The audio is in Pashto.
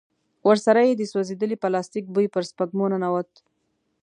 ورسره يې د سوځېدلي پلاستيک بوی پر سپږمو ننوت.